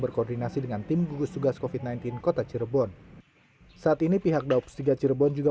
berkoordinasi dengan tim gugus tugas kofit sembilan belas kota cirebon saat ini pihak daops tiga cirebon juga